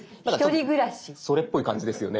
それっぽい感じですよね。